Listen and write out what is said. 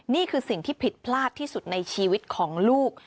นี่คือสิ่งที่ผิดพลาดที่สุดในชีวิตของลูก